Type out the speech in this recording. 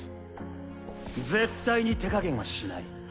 絶対に手加減はしない。